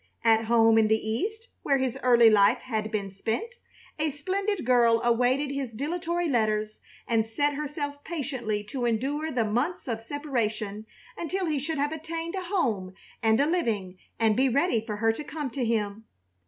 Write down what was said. At home in the East, where his early life had been spent, a splendid girl awaited his dilatory letters and set herself patiently to endure the months of separation until he should have attained a home and a living and be ready for her to come to him.